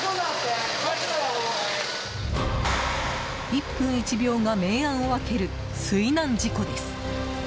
１分１秒が明暗を分ける水難事故です。